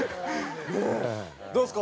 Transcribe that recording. どうですか？